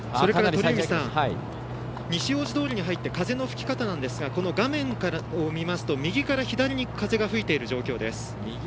西大路通に入って風の吹き方ですが画面を見ますと右から左に風が吹いている状況です。